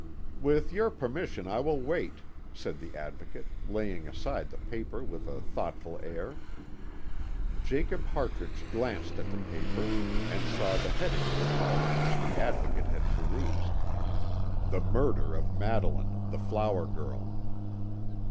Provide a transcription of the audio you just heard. "With your permission I will wait," said the Advocate, laying aside the paper with a thoughtful air. Jacob Hartrich glanced at the paper, and saw the heading of the column which the Advocate had perused, "The Murder of Madeline the Flower girl."